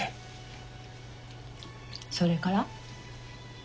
それから？